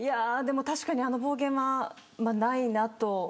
確かに、あの暴言はないなと。